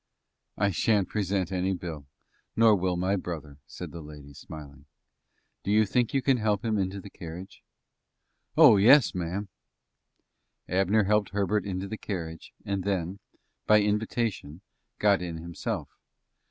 "I shan't present any bill, nor will my brother," said the lady, smiling. "Do you think you can help him into the carriage?" "Oh, yes, ma'am." Abner helped Herbert into the carriage, and then, by invitation, got in himself.